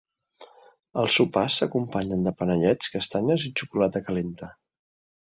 Els sopars s'acompanyen de panellets, castanyes i xocolata calenta.